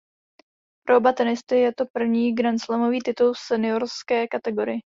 Pro oba tenisty je to první grandslamový titul v seniorské kategorii.